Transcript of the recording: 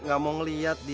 nggak mau ngeliat dia